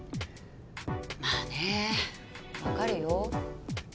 まあねわかるよ。